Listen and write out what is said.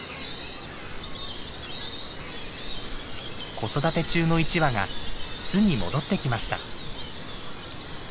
子育て中の一羽が巣に戻ってきました。